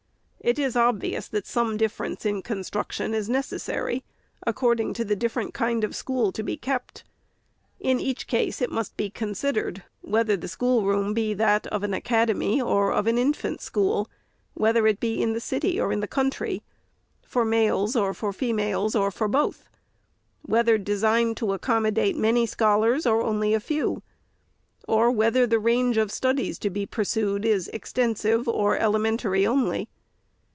It is obvious that some difference in construction is necessary, according to the different kind of school to be kept. In each case, it must be considered, whether the schoolroom be that of an academy or of an infant school ; whether it be in the city or in the country ; for males or for females, or both ; whether designed to accommodate many scholars, or only a few ; or, whether the range of studies to be pursued is extensive, or elementary only.